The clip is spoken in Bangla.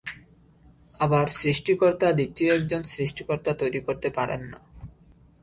আবার সৃস্টিকর্তা দ্বিতীয় একজন সৃষ্টিকর্তা তৈরি করতে পারেন না।